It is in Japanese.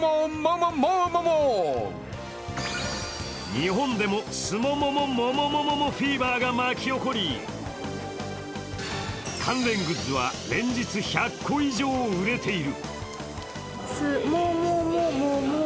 日本でもスモモモモモモモモフィーバーが巻き起こり、関連グッズは連日１００個以上売れている。